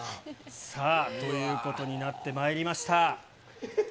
さあ、ということになってまいりました。